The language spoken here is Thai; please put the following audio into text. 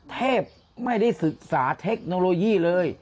เทพไม่ได้ศึกษาเทคโนโลยีเลย